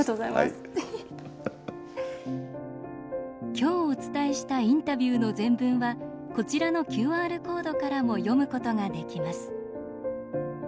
今日お伝えしたインタビューの全文はこちらのＱＲコードからも読むことができます。